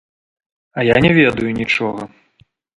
А я не ведаю нічога.